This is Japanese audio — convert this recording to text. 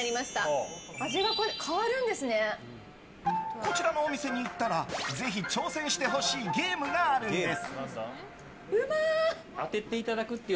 こちらのお店に行ったらぜひ挑戦してほしいゲームがあるんです。